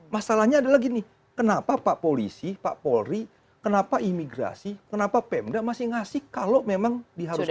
masalahnya adalah gini kenapa pak polisi pak polri kenapa imigrasi kenapa pemda masih ngasih kalau memang diharuskan